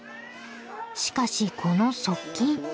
しかしこの速筋。